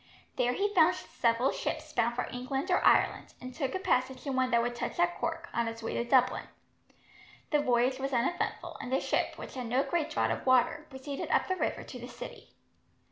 There he found several ships bound for England or Ireland, and took a passage in one that would touch at Cork, on its way to Dublin. The voyage was uneventful, and the ship, which had no great draught of water, proceeded up the river to the city.